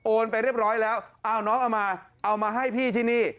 ไปเรียบร้อยแล้วอ้าวน้องเอามาเอามาให้พี่ที่นี่